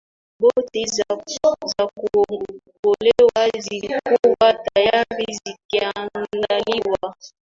boti za kuokolea zilikuwa tayari zikiandaliwa